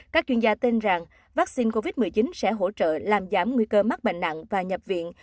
các chuyên gia tin rằng vaccine covid một mươi chín sẽ hỗ trợ làm giảm nguy cơ mắc bệnh nặng và nhập viện